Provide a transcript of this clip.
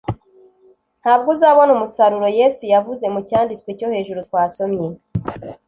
ntabwo uzabona umusaruro yesu yavuze mu cyanditswe cyo hejuru twasomye